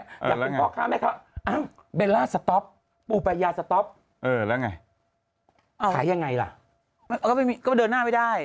อยากเป็นพ่อค้าแม่ค้าอ้าวเบลล่าสต๊อปปูปายาสต๊อปเออแล้วไงขายยังไงล่ะก็เดินหน้าไม่ได้